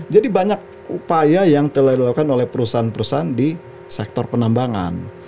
jadi banyak upaya yang telah dilakukan oleh perusahaan perusahaan di sektor penambangan